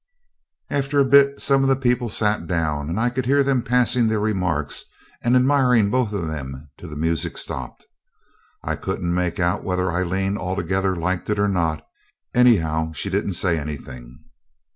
After a bit some of the people sat down, and I could hear them passing their remarks and admiring both of 'em till the music stopped. I couldn't make out whether Aileen altogether liked it or not; anyhow she didn't say anything.